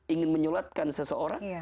ingin menyulatkan seseorang